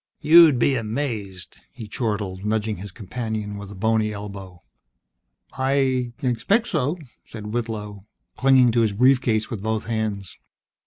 "You'll be amazed!" he chortled, nudging his companion with a bony elbow. "I I expect so," said Whitlow, clinging to his brief case with both hands.